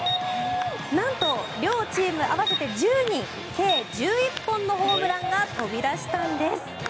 なんと両チーム合わせて１０人計１１本のホームランが飛び出したんです。